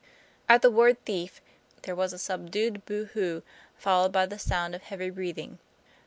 At the word " thief" there was a subdued boo hoo, followed by the sound of heavy breathing.